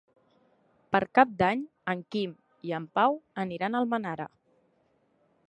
Per Cap d'Any en Quim i en Pau aniran a Almenara.